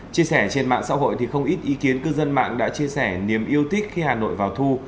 chia sẻ trên mạng xã hội thì không ít ý kiến cư dân mạng đã chia sẻ niềm yêu thích khi hà nội vào thu